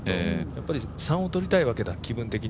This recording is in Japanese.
やっぱり３をとりたいわけだ。